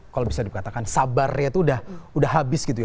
kalau bisa dikatakan sabarnya itu udah habis gitu ya